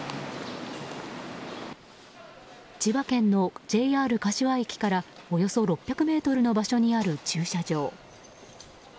千葉県のＪＲ柏駅からおよそ６００ｍの場所にある駐車場。